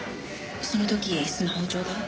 その時スマホをちょうだい。